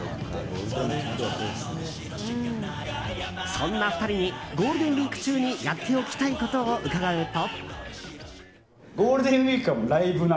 そんな２人にゴールデンウィーク中にやっておきたいことを伺うと。